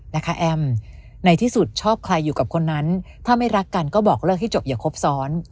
แอมในที่สุดชอบใครอยู่กับคนนั้นถ้าไม่รักกันก็บอกเลิกให้จบอย่าครบซ้อน